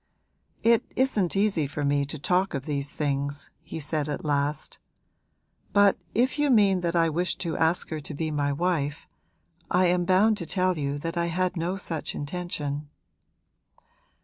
'It isn't easy for me to talk of these things,' he said at last; 'but if you mean that I wished to ask her to be my wife I am bound to tell you that I had no such intention.'